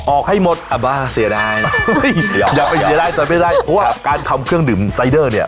ออกให้หมดอ่ะบ้านเสียดายอย่าไปเสียดายแต่ไม่ได้เพราะว่าการทำเครื่องดื่มไซเดอร์เนี่ย